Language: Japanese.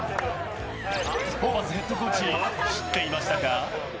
ホーバスヘッドコーチ、知っていましたか？